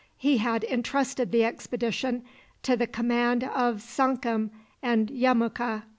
He had intrusted the expedition to the command of Sankum and Yemuka.